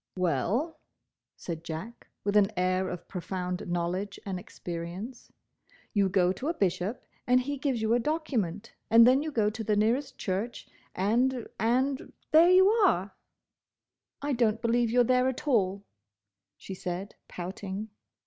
"Well," said Jack, with an air of profound knowledge and experience, "You go to a Bishop, and he gives you a document, and then you go to the nearest church—and—and—there you are!" "I don't believe you're there at all," she said, pouting.